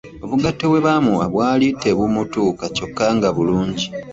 Obugatto bwe baamuwa bwali tebumutuuka kyokka nga bulungi.